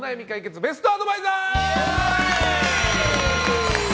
ベストアドバイザー！